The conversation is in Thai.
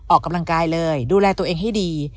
ออกกำลังกายเลยดูแลตัวเองให้ดี